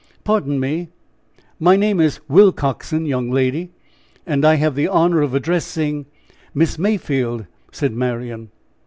"Pardon me, my name is Willcoxen, young lady, and I have the honor of addressing " "Miss Mayfield," said Marian.